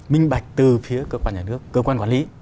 minh bạch từ phía cơ quan nhà nước cơ quan quản lý